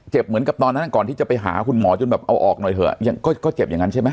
เหมือนกับตอนนั้นก่อนที่จะไปหาคุณหมอจนแบบเอาออกหน่อยเถอะยังก็เจ็บอย่างนั้นใช่ไหม